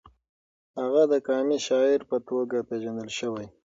هغه د قامي شاعر په توګه پېژندل شوی.